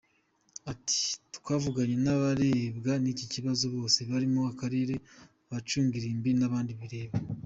Ati Twavuganye n’abarebwan’iki kibazo bose barimo akarere, abacunga irimbi n’abandi bireba.